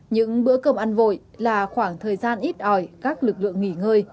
những bữa cơm ăn vội là khoảng thời gian ít ỏi các lực lượng nghỉ ngơi